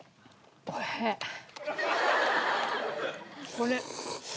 これ。